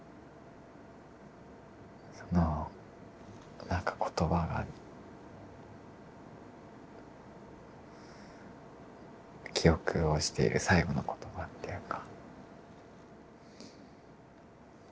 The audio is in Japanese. そのなんか言葉が記憶をしている最後の言葉っていうか。